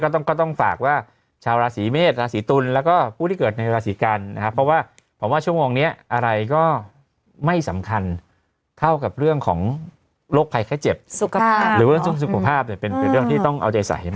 ก็ต้องฝากว่าชาวราศิเมฆราศิตุลแล้วก็ผู้ที่เกิดในราศิการเพราะว่าชั่วโมงนี้อะไรก็ไม่สำคัญเท่ากับเรื่องของโรคภัยไข้เจ็บสุขภาพเป็นเรื่องที่ต้องเอาใจใส